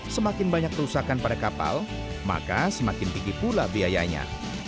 semakin banyak kerusakan pada kapal maka semakin tinggi pula biayanya